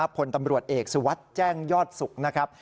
พลตำรวจเอกสุวัสดิ์แจ้งยอดสุขนะครับ